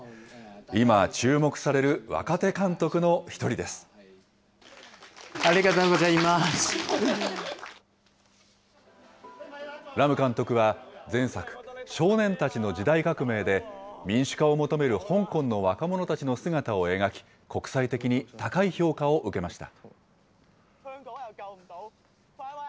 今、注目される若手監督の一人でラム監督は、前作、少年たちの時代革命で、民主化を求める香港の若者たちの姿を描き、国際的に高い評価を受けました。